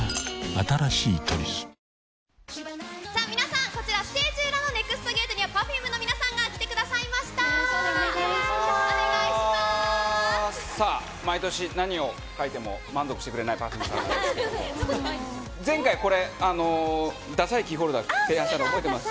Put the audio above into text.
新しい「トリス」さあ、皆さん、こちら、ステージ裏のＮＥＸＴゲートには、Ｐｅｒｆｕｍｅの皆さんが来てくよろしくお願いします。